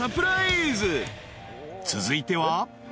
［続いては］